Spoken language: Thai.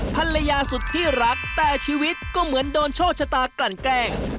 ภรรยาสุดที่รักแต่ชีวิตก็เหมือนโดนโชคชะตากลั่นแกล้ง